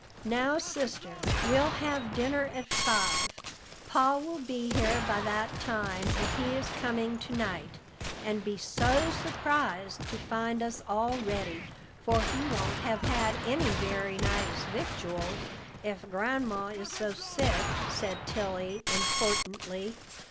"Now, sister, we'll have dinner at five; Pa will be here by that time if he is coming to night, and be so surprised to find us all ready, for he won't have had any very nice victuals if Gran'ma is so sick," said Tilly importantly.